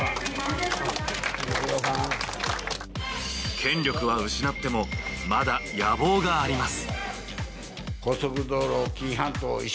権力は失ってもまだ野望があります。